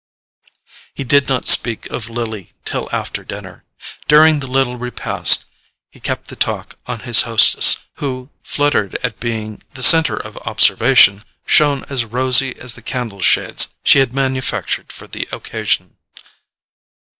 He did not speak of Lily till after dinner. During the little repast he kept the talk on his hostess, who, fluttered at being the centre of observation, shone as rosy as the candle shades she had manufactured for the occasion.